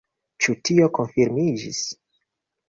Ĉu tio konfirmiĝis?